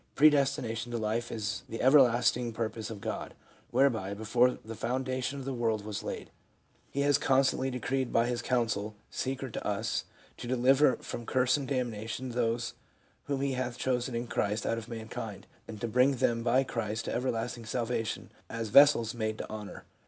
" Predestination to life is the everlasting pur pose of God, whereby (before the foundation of the world was laid) He hath constantly decreed by His counsel secret to us, to deliver from curse and damnation those whom He hath chosen in Christ out of mankind, and to bring them by Christ to everlasting salvation, as vessels made to honor."